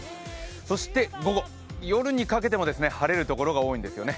そして午後、夜にかけても晴れるところが多いんですね。